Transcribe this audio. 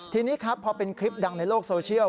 ทีนี้ครับพอเป็นคลิปดังในโลกโซเชียล